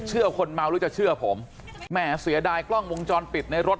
คนเมาหรือจะเชื่อผมแหมเสียดายกล้องวงจรปิดในรถ